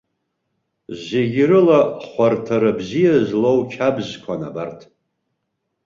Зегьрыла хәарҭара бзиа злоу қьабзқәан абарҭ.